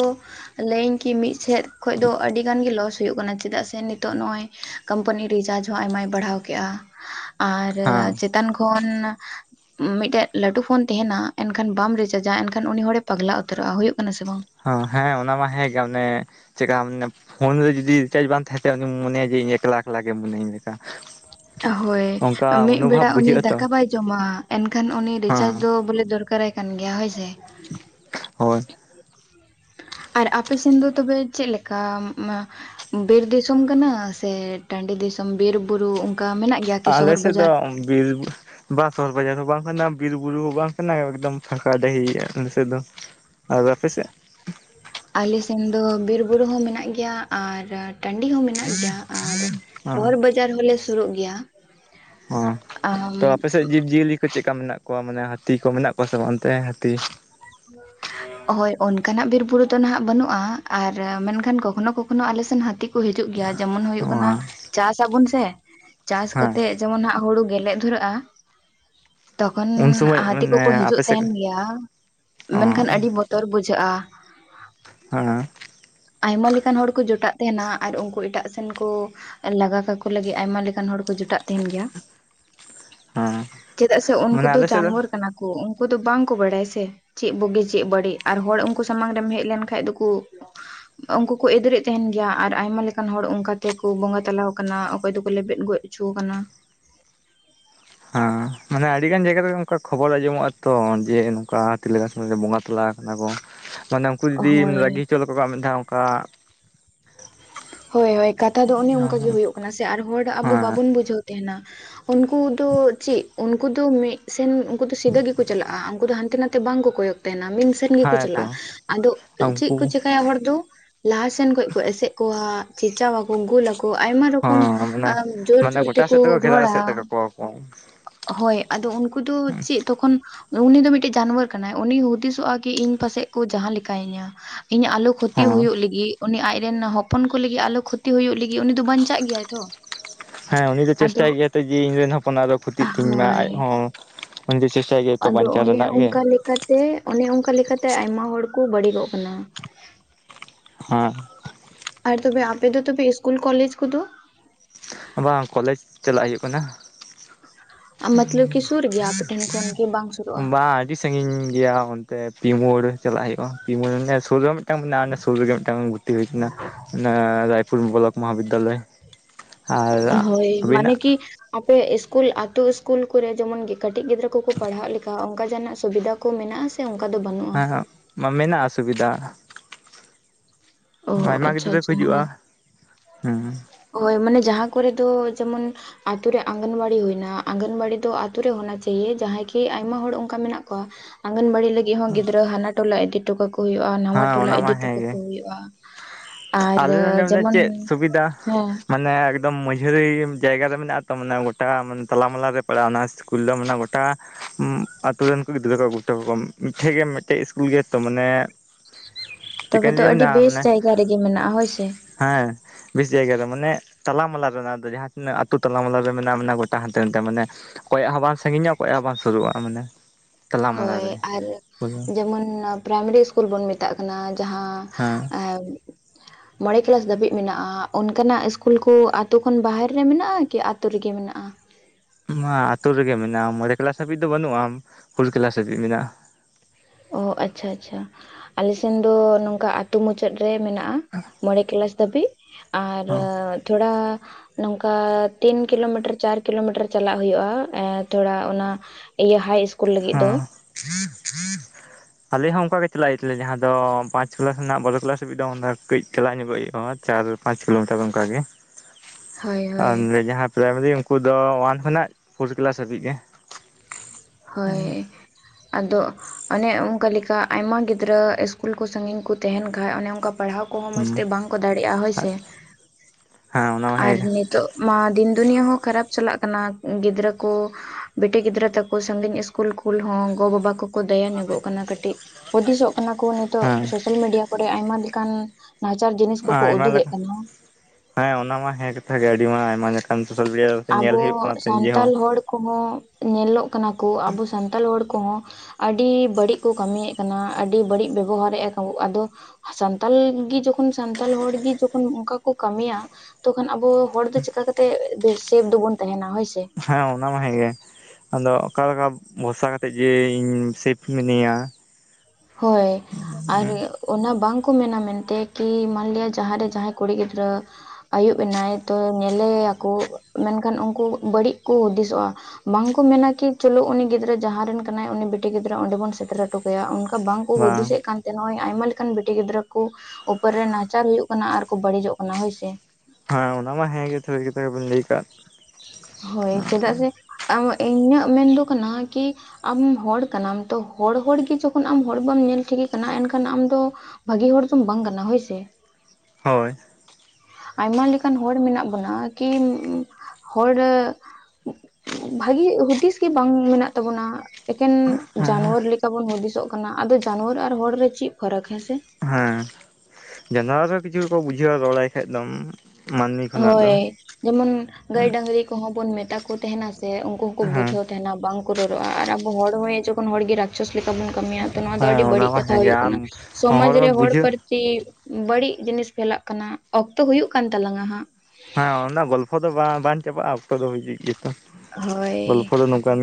ᱞᱟᱹᱭᱟᱹᱧ ᱠᱤ ᱢᱤᱫ ᱥᱮᱫ ᱠᱷᱚᱭ ᱫᱚ ᱟᱹᱰᱤ ᱜᱟᱱ ᱜᱮ ᱞᱚᱥ ᱦᱩᱭᱩᱜ ᱠᱟᱱᱟ᱾ ᱪᱮᱫᱟᱜ ᱥᱮ ᱱᱤᱛᱚᱜ ᱱᱚᱜᱼᱚᱭ ᱠᱳᱢᱯᱟᱹᱱᱤ ᱨᱤᱪᱟᱨᱡᱽ ᱦᱚᱸ ᱟᱭᱢᱟᱭ ᱵᱟᱲᱦᱟᱣ ᱠᱮᱜᱼᱟ ᱟᱨ ᱦᱮᱸ ᱪᱮᱛᱟᱱ ᱠᱷᱚᱱ ᱢᱤᱫᱴᱮᱡ ᱞᱟᱹᱴᱩ ᱯᱷᱳᱱ ᱛᱮᱦᱮᱱᱟ᱾ ᱮᱱᱠᱷᱟᱱ ᱵᱟᱢ ᱨᱤᱪᱟᱨᱡᱟ ᱮᱱᱠᱷᱟᱱ ᱩᱱᱤ ᱦᱚᱲᱮ ᱯᱟᱜᱽᱞᱟ ᱩᱛᱟᱹᱨᱚᱜᱼᱟ᱾ ᱦᱩᱭᱩᱜ ᱠᱟᱱᱟ ᱥᱮ ᱵᱟᱝ ᱦᱚᱸ ᱦᱮᱸ ᱚᱱᱟ ᱢᱟ ᱦᱮᱸ ᱜᱮ ᱢᱟᱱᱮ ᱪᱮᱠᱟ ᱢᱟᱱᱮ ᱯᱷᱳᱱ ᱨᱮ ᱡᱩᱫᱤ ᱨᱤᱪᱟᱨᱡᱽ ᱵᱟᱝ ᱛᱟᱦᱮᱱ ᱩᱱᱤ ᱢᱚᱱᱮᱭᱟ᱾ ᱡᱮ ᱩᱱᱤ ᱢᱚᱱᱮᱭᱟᱭ ᱮᱠᱞᱟ ᱮᱠᱞᱟ ᱜᱮ ᱢᱤᱱᱟᱧ ᱞᱮᱠᱟ᱾ ᱦᱳᱭ ᱚᱱᱠᱟ ᱢᱤᱜ ᱵᱮᱲᱟ ᱚᱱᱩᱵᱷᱟᱵ ᱩᱱᱤ ᱵᱩᱡᱷᱟᱹᱜᱼᱟ ᱛᱚ ᱫᱟᱠᱟ ᱵᱟᱭ ᱡᱚᱢᱟ᱾ ᱮᱱᱠᱷᱟᱱ ᱩᱱᱤ ᱨᱤᱪᱟᱨᱡ ᱦᱮᱸ ᱫᱚ ᱵᱚᱞᱮ ᱫᱚᱨ ᱠᱟᱨᱟᱭ ᱠᱟᱱ ᱜᱮᱭᱟ ᱦᱳᱭ ᱥᱮ ᱦᱳᱭ ᱟᱨ ᱟᱯᱮ ᱥᱮᱱ ᱫᱚ ᱛᱚᱵᱮ ᱪᱮᱫ ᱞᱮᱠᱟ ᱵᱤᱨ ᱫᱤᱥᱚᱢ ᱠᱟᱱᱟ ᱥᱮ ᱴᱟᱺᱰᱤ ᱫᱤᱥᱚᱢ ᱵᱤᱨᱵᱩᱨᱩ ᱟᱞᱮ ᱥᱮᱫ ᱫᱚ ᱵᱤᱨ ᱵᱟ ᱥᱚᱦᱚᱨ ᱵᱟᱡᱟᱨ ᱦᱚᱸ ᱵᱟᱝ ᱠᱟᱱᱟ᱾ ᱵᱤᱨ ᱵᱩᱨᱩ ᱦᱚᱸ ᱵᱟᱝ ᱠᱟᱱᱟ᱾ ᱮᱠᱫᱚᱢ ᱯᱷᱟᱸᱠᱟ ᱰᱟᱹᱦᱤ ᱟᱞᱮ ᱥᱮᱫ ᱫᱚ ᱟᱨ ᱟᱯᱮᱥᱮᱫ? ᱟᱞᱮᱥᱱ ᱫᱚ ᱵᱤᱨ ᱵᱩᱨᱩ ᱦᱚᱸ ᱢᱮᱱᱟᱜ ᱜᱮᱭᱟ ᱟᱨ ᱴᱟᱺᱰᱤ ᱦᱚᱸ ᱢᱮᱱᱟᱜ ᱜᱮᱭᱟ ᱟᱨ ᱦᱚᱸ ᱥᱚᱦᱚᱨ ᱵᱟᱡᱟᱨ ᱦᱚᱸᱞᱮ ᱥᱩᱨᱩᱜ ᱜᱮᱭᱟ᱾ ᱦᱚᱸ ᱟᱢ ᱛᱚ ᱟᱯᱮᱥᱮᱫ ᱡᱤᱵᱽ ᱡᱤᱭᱟᱹᱞᱤ ᱠᱚ ᱪᱮᱜ ᱠᱟ ᱢᱮᱱᱟᱜ ᱠᱚᱣᱟ ᱢᱟᱱᱮ ᱦᱟᱹᱛᱤ ᱠᱚ ᱢᱮᱱᱟᱜ ᱠᱚᱣᱟ ᱥᱮ ᱵᱟᱝ? ᱚᱱᱛᱮ ᱦᱟᱹᱛᱤ [unintelligible] ᱦᱚᱭ ᱚᱱᱠᱟᱱᱟᱜ ᱵᱤᱨ ᱵᱩᱨᱩ ᱫᱚ ᱱᱟᱦᱟᱜ ᱵᱟᱹᱱᱩᱜᱼᱟ ᱟᱨ ᱢᱮᱱᱠᱷᱟᱱ ᱠᱚᱠᱷᱚᱱᱚ ᱠᱚᱠᱷᱚᱱᱚ ᱟᱞᱮᱥᱱ ᱦᱟᱹᱛᱤ ᱦᱤᱡᱩᱜ ᱜᱮᱭᱟ ᱡᱮᱢᱚᱱ ᱦᱩᱭᱩᱜ ᱚ ᱠᱟᱱᱟ ᱪᱟᱥ ᱟᱵᱚᱱ ᱥᱮ ᱪᱟᱥ ᱦᱮᱸ ᱠᱟᱛᱮᱜ ᱡᱮᱢᱚᱱ ᱦᱟᱸᱜ ᱦᱩᱲᱩ ᱜᱮᱞᱮᱜ ᱫᱷᱩᱨᱟᱹᱜᱼᱟ ᱛᱚᱠᱷᱚᱱ ᱩᱱ ᱥᱚᱢᱚᱭ ᱦᱟᱛᱤ ᱢᱟᱱᱮ ᱠᱚᱠᱚ ᱦᱤᱡᱩᱜ ᱟᱯᱮ ᱥᱮᱫ ᱛᱟᱦᱮᱱ ᱜᱮᱭᱟ ᱾ ᱚ ᱢᱮᱱᱠᱷᱟᱱ ᱟᱹᱰᱤ ᱵᱚᱛᱚᱨ ᱵᱩᱡᱷᱟᱹᱜᱼᱟ ᱾ ᱦᱮᱸ ᱦᱮᱸ ᱟᱭᱢᱟ ᱞᱮᱠᱟᱱ ᱦᱚᱲ ᱠᱚ ᱡᱚᱴᱟᱜ ᱛᱟᱦᱮᱱᱟ ᱟᱨ ᱩᱱᱠᱩ ᱮᱴᱟᱜ ᱥᱮᱱ ᱠᱚ ᱞᱟᱜᱟ ᱠᱟᱠᱚ ᱞᱟᱹᱜᱤᱜ ᱟᱭᱢᱟ ᱞᱮᱠᱟᱱ ᱦᱚᱲ ᱠᱚ ᱡᱚᱴᱟᱜ ᱛᱟᱦᱮᱱ ᱜᱮᱭᱟ ᱾ ᱦᱮᱸ ᱪᱮᱫᱟᱜ ᱥᱮ ᱩᱱᱠᱩ ᱢᱟᱱᱮ ᱫᱚ ᱟᱞᱮ ᱥᱮᱫ ᱡᱟᱱᱣᱟᱨ ᱠᱟᱱᱟ ᱠᱚ ᱩᱱᱠᱩ ᱫᱚ ᱵᱟᱝ ᱠᱚ ᱵᱟᱰᱟᱭ ᱥᱮ ᱾ ᱪᱮᱫ ᱵᱩᱜᱤ ᱪᱮᱫ ᱵᱟᱹᱲᱤ ᱟᱨ ᱦᱚᱲ ᱩᱱᱠᱩ ᱥᱟᱢᱟᱝ ᱨᱮᱢ ᱦᱮᱜ ᱞᱮᱱᱠᱷᱟᱡ ᱫᱚᱠᱩ ᱩᱱᱠᱩ ᱠᱚ ᱮᱫᱨᱮᱜ ᱛᱟᱦᱮᱱ ᱜᱮᱭᱟ ᱟᱨ ᱟᱭᱢᱟ ᱞᱮᱠᱟᱱ ᱦᱚᱲ ᱚᱱᱠᱟ ᱛᱮᱠᱚ ᱵᱚᱸᱜᱟ ᱛᱟᱞᱟᱣᱟᱠᱟᱱᱟ ᱚᱠᱚᱭ ᱫᱚᱠᱚ ᱞᱮᱵᱮᱫ ᱜᱚᱡ ᱦᱚᱪᱚᱣ ᱠᱟᱱᱟ ᱾ ᱦᱮᱸ ᱢᱟᱱᱮ ᱟᱹᱰᱤ ᱜᱟᱱ ᱡᱟᱜᱟ ᱨᱮᱜᱮ ᱚᱱᱠᱟ ᱠᱷᱚᱵᱚᱨ ᱟᱸᱡᱚᱢᱚᱜᱼᱟ ᱛᱚ ᱡᱮ ᱱᱚᱝᱠᱟ ᱛᱤᱞᱞᱟᱹ [unintelligible] ᱵᱚᱸᱜᱟ ᱛᱟᱞᱟ ᱚᱱᱟ ᱠᱚ ᱢᱟᱱᱮ ᱩᱱᱠᱩ ᱡᱩᱫᱤᱢ ᱦᱳᱭ ᱨᱟᱹᱜᱤ ᱦᱚᱪᱚ ᱞᱮᱠᱚ ᱠᱷᱟᱱ ᱢᱤᱫ ᱫᱷᱟᱣ ᱚᱱᱠᱟ ᱦᱚᱭ ᱦᱚᱭ ᱠᱟᱛᱷᱟ ᱫᱚ ᱚᱱᱮ ᱚᱱᱠᱟ ᱜᱮ ᱦᱮᱸ ᱦᱩᱭᱩᱜ ᱠᱟᱱᱟ ᱥᱮ ᱟᱨ ᱦᱚᱲᱟᱜ ᱟᱵᱚ ᱵᱟᱵᱚᱱ ᱵᱩᱡᱷᱟᱹᱣ ᱛᱟᱦᱮᱱᱟ ᱩᱱᱠᱩ ᱫᱚ ᱪᱮᱫ ᱩᱱᱠᱩ ᱫᱚ ᱢᱤᱫ ᱥᱮᱱ ᱩᱱᱠᱩ ᱫᱚ ᱥᱤᱫᱷᱟᱹ ᱜᱮᱠᱚ ᱪᱟᱞᱟᱜᱼᱟ ᱩᱱᱠᱩ ᱫᱚ ᱦᱟᱱᱛᱮ ᱱᱟᱛᱮ ᱵᱟᱝ ᱠᱚ ᱠᱚᱭᱚᱜ ᱛᱟᱦᱮᱱᱟ ᱢᱮᱱ ᱥᱮᱱ ᱜᱮᱠᱚ ᱦᱮᱸ ᱛᱚ ᱪᱟᱞᱟᱜᱼᱟ ᱟᱫᱚ ᱪᱮᱫ ᱠᱚ ᱩᱱᱠᱩ ᱪᱮᱤᱠᱟᱭᱟ ᱦᱚᱲ ᱫᱚ ᱞᱟᱦᱟᱥᱮᱱ ᱠᱷᱚᱱ ᱠᱚ ᱮᱥᱮᱫ ᱠᱣᱟᱜ [unintelligible] ᱜᱚᱞᱟ ᱟᱠᱚ ᱟᱭᱢᱟ ᱨᱚᱠᱚᱢ ᱦᱚᱸ ᱢᱟᱱᱮ ᱡᱚᱨ ᱢᱟᱱᱮ ᱡᱚᱨ ᱜᱚᱴᱟ ᱥᱮᱫ ᱛᱮᱠᱚ ᱜᱷᱮᱨᱟ ᱥᱮᱫ ᱛᱮ ᱨᱚᱲᱟ ᱠᱟᱠᱚᱣᱟ ᱠᱚ ᱾ ᱦᱚᱭ ᱟᱫᱚ ᱩᱱᱠᱩ ᱫᱚ ᱪᱮᱫ ᱛᱚᱠᱷᱚᱱ ᱩᱱᱤ ᱫᱚ ᱢᱤᱫᱴᱮᱡ ᱡᱟᱱᱣᱟᱨ ᱠᱟᱱᱟᱭ ᱩᱱᱤ ᱦᱩᱫᱤᱥᱚᱜᱼᱟ ᱠᱤ ᱤᱧ ᱯᱟᱥᱮᱜ ᱠᱚ ᱡᱟᱦᱟᱸ ᱞᱮᱠᱟᱭ ᱤᱧᱟ ᱤᱧᱟᱜ ᱟᱞᱚ ᱠᱷᱚᱛᱤ ᱦᱚᱸ ᱦᱩᱭᱩᱜ ᱞᱟᱹᱜᱤᱫ ᱩᱱᱤ ᱟᱡ ᱨᱮᱱ ᱦᱚᱯᱚᱱ ᱠᱚ ᱞᱟᱹᱜᱤᱫ ᱟᱞᱚ ᱠᱷᱚᱛᱤ ᱦᱩᱭᱩᱜ ᱞᱟᱹᱜᱤᱫ ᱩᱱᱤ ᱫᱚ ᱵᱟᱧᱪᱟᱜ ᱜᱮᱭᱟᱭ ᱛᱚ ᱾ ᱦᱮᱸ ᱩᱱᱤ ᱫᱚ ᱪᱮᱥᱴᱟᱭ ᱜᱮᱭᱟᱭ ᱛᱚ ᱡᱮ ᱤᱧ ᱨᱮᱱ ᱦᱚᱯᱚᱱ ᱟᱨᱚ ᱠᱷᱚᱛᱤ ᱛᱤᱧ ᱢᱟ ᱟᱡ ᱦᱳᱭ ᱦᱚᱸ ᱩᱱᱤ ᱫᱚ ᱪᱮᱥᱴᱟᱭ ᱜᱮᱭᱟᱭ ᱛᱚ ᱵᱟᱧᱪᱟᱣ ᱨᱮᱱᱟᱜ ᱜᱮ ᱾ ᱛᱮ ᱚᱱᱮ ᱚᱱᱠᱟ ᱞᱮᱠᱟᱛᱮ ᱟᱭᱢᱟ ᱦᱚᱲ ᱠᱚ ᱵᱟᱹᱲᱤᱡᱚᱜ ᱠᱟᱱᱟ ᱾ ᱦᱮᱸ ᱟᱨ ᱛᱚᱵᱮ ᱟᱯᱮ ᱫᱚ ᱛᱚᱵᱮ ᱤᱥᱠᱩᱞ ᱠᱚᱞᱮᱡᱽ ᱠᱚᱫᱚ? ᱵᱟᱝ ᱠᱚᱞᱮᱡᱽ ᱪᱟᱞᱟᱜ ᱦᱩᱭᱩᱜ ᱠᱟᱱᱟ ᱾ ᱢᱚᱛᱞᱚᱵ ᱠᱤ ᱥᱩᱨ ᱜᱮᱭᱟ ᱟᱯᱮ ᱴᱷᱮᱱ ᱠᱷᱚᱱ ᱜᱮ ᱵᱟᱝ ᱥᱩᱨᱩᱜᱼᱟ [unintelligible] ᱟᱹᱰᱤ ᱥᱟᱺᱜᱤᱧ ᱜᱮᱭᱟ ᱚᱱᱛᱮ ᱯᱤᱢᱳᱲ ᱪᱟᱞᱟᱜ ᱦᱩᱭᱩᱜᱼᱟ ᱯᱤ ᱢᱳᱲ ᱥᱩᱨ ᱨᱮ ᱢᱤᱫᱴᱟᱝ ᱢᱮᱱᱟᱜᱼᱟ ᱚᱱᱟ ᱥᱩᱨ ᱨᱮᱜᱮ ᱢᱤᱫᱴᱟᱝ ᱵᱷᱩᱨᱛᱤ ᱦᱩᱭ ᱟᱠᱟᱱᱟ ᱚᱱᱟ ᱨᱟᱭᱯᱩᱨ ᱵᱞᱚᱠ ᱢᱚᱦᱟ ᱵᱤᱫᱽᱫᱟᱞᱚᱭ ᱾ ᱦᱚᱭ ᱢᱟᱱᱮ ᱠᱤ ᱟᱯᱮ ᱤᱥᱠᱩᱞ ᱟᱛᱩ ᱤᱥᱠᱩᱞ ᱠᱚᱨᱮ ᱡᱮᱢᱚᱱ ᱠᱟᱹᱴᱤᱡ ᱜᱤᱫᱽᱨᱟᱹ ᱠᱚᱠᱚ ᱯᱟᱲᱦᱟᱜ ᱞᱮᱠᱟ ᱚᱱᱠᱟ ᱡᱟᱦᱟᱱᱟᱜ ᱥᱩᱵᱤᱫᱷᱟ ᱠᱚ ᱢᱮᱱᱟᱜᱼᱟ ᱥᱮ ᱚᱱᱠᱟ ᱫᱚ ᱵᱟᱹᱱᱩᱜ? ᱦᱮᱸ ᱦᱚᱸ ᱢᱮᱱᱟᱜᱼᱟ ᱥᱩᱵᱤᱫᱷᱟ ᱾ ᱚ ᱟᱭᱢᱟ ᱟᱪᱪᱷᱟ ᱜᱤᱫᱽᱨᱟᱹ ᱠᱚ ᱟᱪᱪᱷᱟ ᱦᱤᱡᱩᱜᱼᱟ ᱦᱩᱸ ᱦᱚᱭ ᱢᱟᱱᱮ ᱡᱟᱦᱟᱸ ᱠᱚᱨᱮ ᱫᱚ ᱡᱮᱢᱚᱱ ᱟᱛᱩ ᱨᱮ ᱚᱝᱜᱚᱱᱣᱟᱰᱤ ᱦᱩᱭᱱᱟ ᱟᱝᱜᱚᱱᱣᱟᱰᱤ ᱫᱚ ᱟᱛᱩ ᱨᱮ ᱦᱚᱱᱟ ᱪᱟᱭᱤᱮ ᱡᱟᱦᱟᱸᱭ ᱠᱤ ᱟᱭᱢᱟ ᱦᱚᱲ ᱚᱱᱠᱟ ᱢᱮᱱᱟᱜ ᱠᱚᱣᱟ ᱟᱜᱚᱱ ᱵᱟᱲᱤ ᱞᱟᱹᱜᱤᱫ ᱦᱚᱸ ᱜᱤᱫᱽᱨᱟᱹ ᱦᱟᱱᱟ ᱴᱚᱞᱟ ᱤᱫᱤᱴᱚᱠᱟ ᱠᱚ ᱦᱩᱭᱩᱜᱼᱟ ᱱᱟᱣᱟ ᱦᱮᱸ ᱴᱚᱞᱟ ᱚᱱᱟ ᱢᱟ ᱤᱫᱤ ᱦᱚᱴᱚ ᱠᱟ ᱦᱮᱸᱜᱮ ᱠᱚ ᱦᱩᱭᱩᱜᱼᱟ ᱾ ᱟᱞᱮ ᱱᱚᱰᱮ ᱢᱟᱱᱮ ᱪᱮᱫ ᱥᱩᱵᱤᱫᱟ ᱦᱮᱸ ᱢᱟᱱᱮ ᱮᱠᱫᱚᱢ ᱢᱟᱡᱷᱟᱹᱨᱤ ᱡᱟᱭᱜᱟᱨᱮ ᱢᱮᱱᱟᱜ ᱛᱚ ᱢᱟᱱᱮ ᱜᱚᱴᱟ ᱢᱟᱱᱮ ᱛᱟᱞᱟᱢᱟᱞᱟ ᱨᱮ ᱯᱟᱲᱟᱜᱼᱟ ᱚᱱᱟ ᱤᱥᱠᱩᱞ ᱫᱚ ᱢᱟᱱᱮ ᱜᱚᱴᱟ ᱟᱛᱩ ᱨᱮᱱ ᱠᱚ ᱜᱤᱫᱽᱨᱟᱹ ᱠᱚ ᱟᱹᱜᱩ ᱚᱴᱚ ᱠᱟᱠᱚ ᱢᱤᱫᱴᱷᱮ ᱜᱮ ᱢᱤᱫᱴᱮᱡ ᱤᱥᱠᱩᱞ ᱜᱮᱛᱚ ᱢᱟᱱᱮ ᱛᱚᱵᱮ ᱪᱤᱠᱟᱹᱧ ᱫᱚ ᱞᱟᱹᱭ ᱟᱹᱰᱤ ᱟᱵᱤᱱᱟ ᱵᱮᱥ ᱢᱟᱱᱮ ᱡᱟᱭᱜᱟ ᱨᱮᱜᱮ ᱢᱮᱱᱟᱜᱼᱟ ᱦᱚᱭ ᱥᱮ ᱦᱮᱸ ᱵᱮᱥ ᱡᱟᱭᱜᱟ ᱨᱮ ᱢᱟᱱᱮ ᱛᱟᱞᱟᱢᱟᱞᱟ ᱨᱮᱱᱟᱜ ᱡᱟᱦᱟᱸ ᱛᱤᱱᱟᱹᱜ ᱟᱹᱛᱩ ᱛᱟᱞᱟᱢᱟᱞᱟ ᱨᱮ ᱢᱮᱱᱟᱜᱼᱟ ᱜᱚᱴᱟ ᱦᱟᱱᱛᱮ ᱱᱟᱛᱮ ᱢᱟᱱᱮ ᱚᱠᱚᱭᱟᱜ ᱦᱚᱸ ᱵᱟᱝ ᱥᱟᱺᱜᱤᱧᱼᱟ, ᱚᱠᱚᱭᱭᱟᱜ ᱦᱚᱸ ᱵᱟᱝ ᱥᱩᱨᱩᱜᱼᱟ, ᱢᱟᱱᱮ᱾ ᱦᱳᱭ ᱛᱟᱞᱟᱢᱟᱞᱟ ᱨᱮ ᱟᱨ ᱯᱩᱨᱟᱹ ᱡᱮᱢᱚᱱ ᱯᱨᱟᱭᱢᱟᱨᱤ ᱤᱥᱠᱩᱞ ᱵᱚᱱ ᱢᱮᱛᱟᱜ ᱠᱟᱱᱟ ᱡᱟᱦᱟᱸ᱾ ᱦᱮᱸ [unintelligible] ᱢᱚᱬᱮ ᱠᱮᱞᱟᱥ ᱫᱷᱟᱹᱵᱤᱡ ᱢᱮᱱᱟᱜᱼᱟ ᱚᱱᱠᱟᱱᱟᱜ ᱤᱥᱠᱩᱞ ᱠᱚ ᱟᱹᱛᱩ ᱠᱷᱚᱱ ᱵᱟᱦᱮᱨᱮ ᱨᱮ ᱢᱮᱱᱟᱜᱼᱟ ᱠᱤ ᱟᱹᱛᱩ ᱨᱮ ᱜᱮ ᱢᱮᱱᱟᱜᱼᱟ᱾ ᱢᱟ ᱟᱹᱛᱩ ᱨᱮᱜᱮ ᱢᱮᱱᱟᱜᱼᱟ, ᱢᱚᱬᱮ ᱠᱮᱞᱟᱥ ᱦᱟᱹᱵᱤᱡ ᱫᱚ ᱵᱟᱹᱱᱩᱜ ᱟᱢ ᱯᱷᱩᱨ ᱠᱮᱞᱟᱥ ᱦᱟᱹᱵᱤᱡ ᱢᱮᱱᱟᱜᱼᱟ᱾ ᱚ ᱟᱪᱪᱷᱟ ᱟᱪᱪᱷᱟ ᱟᱞᱮᱥᱮᱫ ᱫᱚ ᱱᱚᱝᱠᱟ ᱟᱹᱛᱩ ᱢᱩᱪᱟᱹᱫ ᱥᱮᱫ ᱨᱮ ᱢᱮᱱᱟᱜᱼᱟ, ᱢᱚᱬᱮ ᱠᱮᱞᱟᱥ ᱫᱷᱟᱹᱵᱤᱡ ᱟᱨ ᱛᱷᱚᱲᱟ ᱱᱚᱝᱠᱟ ᱛᱤᱱ ᱠᱤᱞᱳᱢᱤᱴᱟᱨ ᱪᱟᱨ ᱠᱤᱞᱳᱢᱤᱴᱟᱨ ᱪᱟᱞᱟᱜ ᱦᱩᱭᱩᱜᱼᱟ, ᱛᱷᱚᱲᱟ ᱚᱱᱟ ᱤᱭᱮ ᱦᱟᱭ ᱤᱥᱠᱩᱞ ᱞᱟᱹᱜᱤᱫ ᱫᱚ ᱦᱳᱭ᱾ ᱟᱞᱮ ᱦᱚᱸ ᱚᱱᱠᱟ ᱜᱮ ᱪᱟᱞᱟᱜ ᱦᱩᱭᱩᱜ ᱛᱟᱞᱮᱭᱟ᱾ ᱡᱟᱦᱟᱸ ᱫᱚ ᱯᱟᱸᱪ ᱠᱞᱟᱥ ᱨᱮᱱᱟᱜ ᱵᱚᱨᱚ ᱠᱞᱟᱥ ᱦᱟᱹᱵᱤᱡ ᱫᱚ ᱠᱟᱹᱴᱤᱡ ᱪᱟᱞᱟᱜ ᱧᱚᱜ ᱦᱩᱭᱩᱜᱼᱟ᱾ ᱪᱟᱨ ᱯᱟᱸᱪ ᱠᱤᱞᱳᱢᱤᱴᱟᱨ ᱚᱱᱠᱟᱜ ᱜᱮ᱾ ᱦᱳᱭ ᱟᱨ ᱦᱳᱭ ᱱᱚᱸᱰᱮ ᱡᱟᱦᱟᱸᱭ ᱯᱨᱟᱭᱢᱟᱨᱤ ᱩᱱᱠᱩ ᱫᱚ ᱚᱣᱟᱱ ᱠᱷᱚᱱᱟᱜ ᱯᱷᱳᱨ ᱠᱤᱞᱟᱥ ᱦᱟᱹᱵᱤᱡ ᱜᱮ᱾ ᱦᱮᱸ ᱦᱳᱭ ᱟᱫᱚ ᱚᱱᱮ ᱚᱝᱠᱟ ᱞᱮᱠᱟ ᱟᱭᱢᱟ ᱜᱤᱫᱽᱨᱟᱹ ᱤᱥᱠᱩᱞ ᱠᱩ ᱥᱟᱺᱜᱤᱧ ᱠᱩ ᱛᱮᱦᱮᱱ ᱠᱷᱟᱡ ᱚᱱᱮ ᱚᱱᱠᱟ ᱯᱟᱲᱦᱟᱣ ᱠᱚᱦᱚᱸ ᱢᱚᱡᱽ ᱛᱮ ᱵᱟᱝ ᱠᱚ ᱫᱟᱲᱮᱭᱟᱜᱼᱟ ᱦᱳᱭ ᱥᱮ ᱚᱱᱟ ᱟᱨ ᱦᱮᱸ ᱱᱤᱛᱚᱜ ᱢᱟ ᱫᱤᱱ ᱫᱩᱱᱤᱭᱟᱹ ᱦᱚᱸ ᱠᱷᱟᱨᱟᱯ ᱪᱟᱞᱟᱜ ᱠᱟᱱᱟ᱾ ᱜᱤᱫᱽᱨᱟᱹ ᱠᱚ ᱵᱤᱴᱤ ᱜᱤᱫᱽᱨᱟᱹ ᱛᱟᱠᱚ ᱠᱩ ᱥᱟᱺᱜᱤᱧ ᱤᱥᱠᱩᱞ ᱠᱩᱞ ᱦᱚᱸ ᱜᱚ ᱵᱟᱵᱟ ᱠᱚ᱾ ᱠᱚ ᱫᱟᱭᱟ ᱧᱚᱜᱚᱜ ᱠᱟᱱᱟ᱾ ᱠᱟᱹᱴᱤᱡ ᱦᱩᱫᱤᱥᱚᱜ ᱠᱟᱱᱟ ᱠᱚ ᱱᱤᱛᱚᱜ ᱦᱮᱸ ᱥᱳᱥᱟᱞ ᱢᱤᱰᱤᱭᱟ ᱠᱚᱨᱮ ᱟᱭᱢᱟ ᱞᱮᱠᱟᱱ ᱱᱟᱦᱟᱪᱟᱨ ᱡᱤᱱᱤᱥ ᱠᱚᱠᱚ ᱟᱭᱢᱟ ᱩᱫᱩᱜᱮᱫ ᱞᱮᱠᱟ ᱠᱟᱱᱟ᱾ ᱦᱮᱸ ᱚᱱᱟ ᱢᱟ ᱦᱮᱸ ᱠᱟᱛᱷᱟ ᱜᱮ ᱟᱹᱰᱤᱢᱟ ᱟᱭᱢᱟ ᱥᱟᱱᱛ ᱪᱚᱞ [unintelligible] ᱟᱵᱚ ᱥᱟᱱᱛᱟᱞ ᱦᱚᱲ ᱠᱚᱦᱚᱸ ᱧᱮᱞᱚᱜ ᱠᱟᱱᱟ ᱠᱚ᱾ ᱟᱵᱚ ᱥᱟᱱᱛᱟᱲ ᱦᱚᱲ ᱠᱚᱦᱚᱸ ᱟᱹᱰᱤ ᱵᱟᱹᱲᱤᱡ ᱠᱚ ᱠᱟᱹᱢᱤᱭᱮᱫ ᱠᱟᱱᱟ, ᱟᱹᱰᱤ ᱵᱟᱹᱲᱤᱡ ᱵᱮᱵᱳᱦᱟᱨᱮᱜ ᱟᱫᱚ ᱥᱟᱱᱛᱟᱞ ᱜᱤ ᱡᱚᱠᱷᱚᱱ ᱥᱟᱱᱛᱟᱞ ᱦᱚᱲ ᱜᱤ ᱡᱚᱠᱷᱚᱱ ᱚᱱᱠᱟ ᱠᱚ ᱠᱟᱹᱢᱤᱭᱟ᱾ ᱛᱚᱠᱷᱚᱱ ᱟᱵᱚ ᱦᱚᱲ ᱫᱚ ᱪᱮᱠᱟ ᱠᱟᱛᱮ ᱵᱮᱥᱮᱵᱷ ᱫᱚᱵᱩᱱ ᱛᱟᱦᱮᱱᱟ ᱦᱳᱭ ᱥᱮ᱾ ᱦᱮᱸ ᱚᱱᱟ ᱢᱟ ᱦᱮᱸᱜᱮ᱾ ᱟᱫᱚ ᱚᱠᱟ ᱞᱮᱠᱟ ᱵᱷᱚᱨᱥᱟ ᱠᱟᱛᱮᱫ ᱡᱮ ᱤᱧ ᱥᱮᱯ ᱢᱤᱱᱟᱹᱧᱟ ᱦᱳᱭ ᱟᱨ ᱚᱱᱟ ᱵᱟᱝ ᱠᱚ ᱢᱮᱱᱟ, ᱢᱮᱱᱛᱮ ᱠᱤ ᱢᱟᱱᱞᱤᱭᱟ ᱡᱟᱦᱟᱸ ᱨᱮ ᱡᱟᱦᱟᱸᱭ ᱠᱩᱲᱤ ᱜᱤᱫᱽᱨᱟᱹ ᱟᱹᱭᱩᱵ ᱮᱱᱟᱭ ᱛᱚ ᱧᱮᱞᱮᱭᱟᱠᱚ, ᱢᱮᱱᱠᱷᱟᱱ ᱳᱱᱠᱩ ᱵᱟᱹᱲᱤᱡ ᱠᱚ ᱦᱩᱫᱤᱥᱚᱜᱼᱟ᱾ ᱵᱟᱝ ᱠᱚ ᱢᱮᱱᱟ ᱠᱤ ᱪᱚᱞᱚ ᱩᱱᱤ ᱜᱤᱫᱽᱨᱟᱹ ᱡᱟᱦᱟᱸ ᱨᱮᱱ ᱠᱟᱱᱟᱭ ᱩᱱᱤ ᱵᱤᱴᱤ ᱜᱤᱫᱽᱨᱟᱹ ᱚᱸᱰᱮ ᱵᱚᱱ ᱥᱮᱴᱮᱨ ᱦᱚᱴᱚ ᱠᱟᱭᱟ᱾ ᱵᱟᱝ ᱠᱚ ᱦᱩᱫᱤᱥᱮᱫ ᱠᱟᱱ ᱛᱮ ᱦᱚᱜᱚᱭ ᱟᱭᱢᱟ ᱞᱮᱠᱟᱱ ᱵᱤᱴᱤ ᱜᱤᱫᱽᱨᱟᱹ ᱠᱚ ᱩᱯᱟᱹᱨ ᱨᱮ ᱱᱟᱦᱪᱟᱨ ᱦᱩᱭᱩᱜ ᱠᱟᱱᱟ ᱟᱨ ᱠᱚ ᱵᱟᱹᱲᱤᱡᱚᱜ ᱠᱟᱱᱟ ᱦᱳᱭ ᱥᱮ ᱦᱮᱸ ᱚᱱᱟ ᱢᱟ ᱦᱮᱸᱜᱮ ᱥᱟᱹᱨᱤ ᱠᱟᱛᱷᱟ ᱜᱮ ᱵᱤᱱ ᱞᱟᱹᱭ ᱠᱟᱫ᱾ ᱦᱳᱭ ᱪᱮᱫᱟᱜ ᱥᱮ ᱟᱢ ᱤᱧᱟᱹᱜ ᱢᱮᱱᱫᱚ ᱠᱟᱱᱟ ᱠᱤ ᱟᱢ ᱦᱚᱲ ᱠᱟᱱᱟᱢ ᱛᱚ ᱦᱚᱲ ᱦᱚᱲ ᱜᱮ ᱡᱚᱠᱷᱚᱱ ᱟᱢ ᱦᱚᱲ ᱵᱟᱢ ᱧᱮᱞ ᱴᱷᱤᱠᱮ ᱠᱟᱱᱟ ᱮᱱᱠᱷᱟᱱ ᱟᱢᱫᱚ ᱵᱷᱟᱹᱜᱤ ᱦᱚᱲ ᱫᱚᱢ ᱵᱟᱝ ᱠᱟᱱᱟ ᱦᱳᱭ ᱥᱮ᱾ ᱦᱳᱭ᱾ ᱟᱭᱢᱟ ᱞᱮᱠᱟᱱ ᱦᱚᱲ ᱢᱮᱱᱟᱜ ᱵᱚᱱᱟ ᱠᱤ ᱦᱚᱲ ᱵᱷᱟᱹᱜᱤ ᱦᱩᱫᱤᱥ ᱜᱨ ᱵᱟᱝ ᱢᱮᱱᱟᱜ ᱛᱟᱵᱚᱱᱟ᱾ ᱮᱠᱮᱱ ᱡᱟᱱᱣᱟᱨ ᱞᱮᱠᱟ ᱵᱚᱱ ᱦᱩᱫᱤᱥᱚᱜ ᱠᱟᱱᱟ᱾ ᱟᱫᱚ ᱡᱟᱱᱣᱟᱨ ᱟᱨ ᱦᱚᱲ ᱨᱮ ᱪᱤᱫ ᱯᱷᱟᱨᱟᱠ ᱦᱮᱸᱥᱮ᱾ ᱦᱮᱸ ᱡᱟᱱᱣᱟᱨ ᱨᱮᱦᱚ ᱠᱤᱪᱷᱩ ᱠᱚ ᱵᱩᱡᱷᱟᱹᱣᱟ ᱨᱚᱲᱟᱭ ᱠᱷᱟᱡ ᱫᱚᱢ᱾ ᱢᱟᱹᱱᱢᱤ ᱠᱷᱚᱱᱟᱜ ᱫᱚ ᱦᱳᱭ ᱡᱮᱢᱚᱱ ᱜᱟᱹᱭ ᱦᱮᱸ ᱰᱟᱹᱝᱨᱤ ᱠᱚᱦᱚᱸ ᱵᱚᱱ ᱢᱮᱛᱟ ᱠᱚ ᱛᱮᱦᱮᱱᱟ ᱥᱮ ᱳᱱᱠᱳ ᱦᱚᱸᱠᱩ ᱵᱩᱡᱷᱟᱹᱣ ᱛᱮᱦᱮᱱᱟ ᱵᱟᱝ ᱠᱚ ᱨᱚᱨᱚᱜᱼᱟ ᱟᱨ ᱟᱵᱚ ᱦᱚᱲ ᱦᱳᱭᱮ ᱡᱚᱠᱷᱚᱱ ᱦᱚᱲ ᱜᱮ ᱨᱟ ᱥᱮᱥ ᱞᱮᱠᱟ ᱵᱚᱱ ᱠᱟᱹᱢᱤᱭᱟ ᱛᱚ ᱱᱚᱣᱟ ᱫᱚ ᱦᱮᱸ ᱟᱹᱰᱤ ᱚᱱᱟ ᱵᱟᱹᱲᱤᱡ ᱢᱟ ᱠᱟᱛᱷᱟ ᱦᱮᱸᱜᱮ ᱦᱩᱭᱩᱜ ᱟᱢ ᱠᱟᱱᱟ᱾ ᱥᱚᱢᱟᱡ ᱢᱟ ᱨᱮ ᱦᱚᱲ ᱵᱩᱡᱷᱟᱹᱣ ᱪᱤ ᱵᱟᱹᱲᱤᱡ ᱡᱤᱱᱤᱥ ᱯᱷᱮᱞᱟᱜ ᱠᱟᱱᱟ᱾ ᱚᱠᱛᱚ ᱦᱩᱭᱩᱜ ᱠᱟᱱ ᱛᱟᱞᱟᱝᱼᱟ ᱦᱟᱸᱜ ᱦᱮᱸ ᱚᱱᱟ ᱜᱚᱞᱯᱷᱚ ᱫᱚ ᱵᱟ ᱵᱟᱝ ᱪᱟᱵᱟᱜᱼᱟ, ᱚᱠᱛᱚ ᱫᱚ ᱦᱤᱡᱩᱜ ᱜᱤᱭᱟ ᱛᱚ᱾ ᱦᱳᱭ᱾